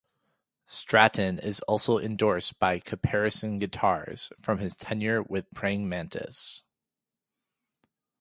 Stratton is also endorsed by Caparison Guitars, from his tenure with Praying Mantis.